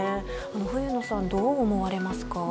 冬野さん、どう思われますか？